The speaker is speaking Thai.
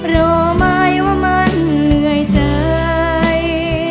รอไหมว่ามันเหนื่อยใจ